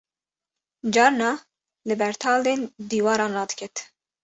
carna li ber taldên diwaran radiket